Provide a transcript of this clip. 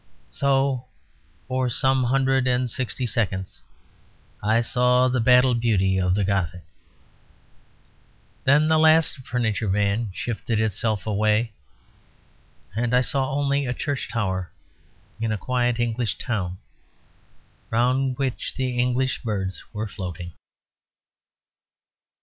So for some hundred and sixty seconds I saw the battle beauty of the Gothic; then the last furniture van shifted itself away; and I saw only a church tower in a quiet English town, round which the English birds were floating.